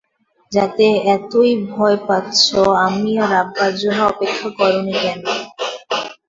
যাতে এতই ভয় পাচ্ছ আম্মি আর আব্বার জন্য অপেক্ষা করো নি কেন?